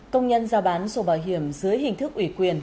công nhân giao bán sổ bảo hiểm dưới hình thức ủy quyền